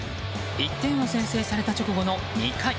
１点を先制された直後の２回。